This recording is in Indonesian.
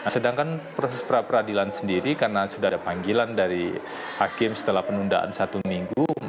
sedangkan proses pra peradilan sendiri karena sudah ada panggilan dari hakim setelah penundaan satu minggu